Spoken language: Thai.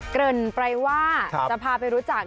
เกริ่นไปว่าจะพาไปรู้จัก